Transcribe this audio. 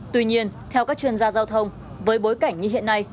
tuy nhiên theo các chuyên gia giao thông với bối cảnh như hiện nay